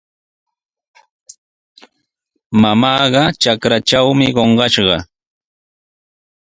Mamaaqa trakratrawmi qunqashqa.